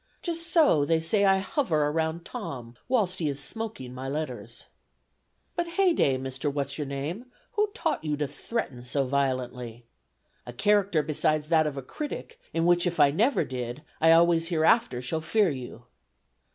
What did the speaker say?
Just so they say I hover round Tom, whilst he is smoking my letters. "But heyday, Mr. What's your name, who taught you to threaten so violently? 'A character besides that of a critic, in which if I never did, I always hereafter shall fear you.'